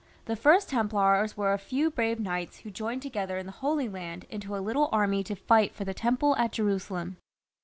The first Templars were a few brave knights who joined together in the Holy Land into a little army to fight for the Temple at Jerusalem.